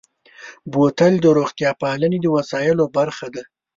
بوتل د روغتیا پالنې د وسایلو برخه ده.